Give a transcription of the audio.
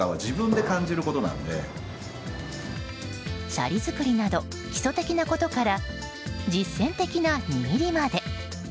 シャリ作りなど基礎的なことから実践的な握りまで。